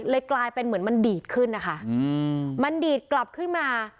กลายเป็นเหมือนมันดีดขึ้นนะคะมันดีดกลับขึ้นมา